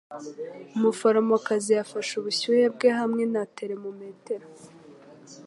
Umuforomokazi yafashe ubushyuhe bwe hamwe na termometero.